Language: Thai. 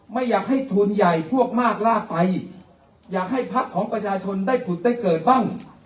ไม่อยากให้ทุนใหญ่พวกมากลากไปอยากให้พักของประชาชนได้ผุดได้เกิดบ้าง